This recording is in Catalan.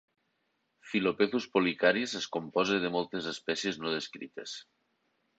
"Phyllopezus pollicaris" es composa de moltes espècies no descrites.